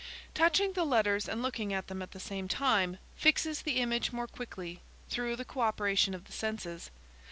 "Touching the letters and looking at them at the same time, fixes the image more quickly through the co operation of the senses.